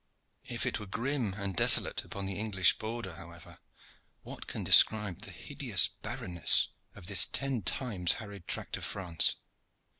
If it were grim and desolate upon the English border, however, what can describe the hideous barrenness of this ten times harried tract of France?